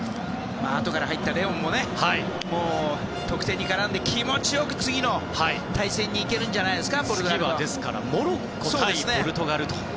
あとから入ったレオンも得点に絡んで気持ち良く次の対戦にいけるんじゃないですか？